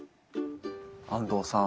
安藤さん。